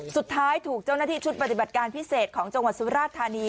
สุดท้ายถูกเจ้าหน้าที่ชุดปฏิบัติการพิเศษของจังหวัดสุราชธานี